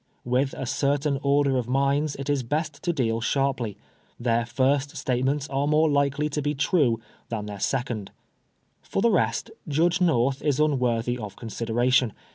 With a certain order of minds it is best to deal sharply ; their first statements are more likely to be true than their second. For the rest, Judge North is unworthy of consideration.